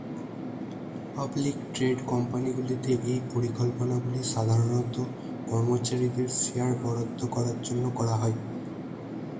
Public trade কোম্পানিগুলিতে এই পরিকল্পনাগুলি সাধারণত কর্মচারীদের শেয়ার বরাদ্দ করার জন্য করা হয়।